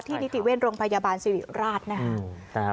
ที่นิติเวรโรงพยาบาลศิริราชนะคะ